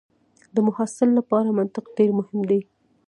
د محصل لپاره منطق ډېر مهم دی.